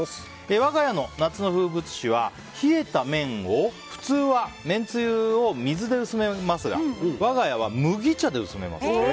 わが家の夏の風物詩は冷えた麺を普通はめんつゆを水で薄めますが我が家は麦茶で薄めます。